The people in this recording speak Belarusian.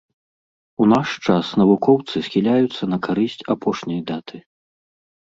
У наш час навукоўцы схіляюцца на карысць апошняй даты.